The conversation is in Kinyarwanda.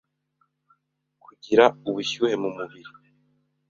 kugira ubushyuhe mu mubiri,